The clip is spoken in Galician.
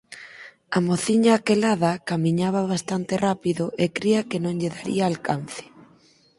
A mociña aquelada camiñaba bastante rápido e cría que non lle daría alcance.